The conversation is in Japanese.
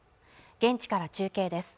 現地から中継です